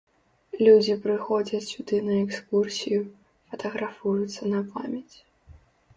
Людзі прыходзяць сюды на экскурсію, фатаграфуюцца на памяць.